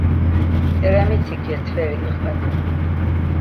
K̆eremiti gyetveri iqvet̆u.